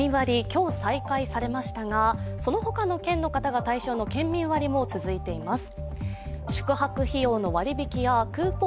今日、再開されましたがその他の県の方が対象の県民割も続いています。